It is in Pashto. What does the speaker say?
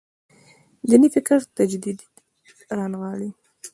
دیني فکر تجدید رانغاړي.